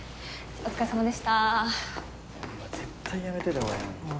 お疲れさまです。